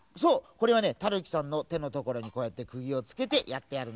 これはねたぬきさんのてのところにこうやってくぎをつけてやってあるんだ。